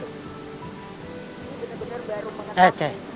ini benar benar baru mengetahui